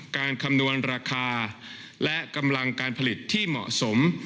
คำนวณราคาและกำลังการผลิตที่เหมาะสม